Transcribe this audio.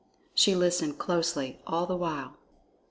She listened closely all the while.